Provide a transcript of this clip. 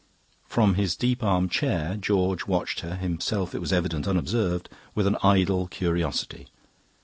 From his deep arm chair George watched her (himself, it was evident, unobserved) with an idle curiosity.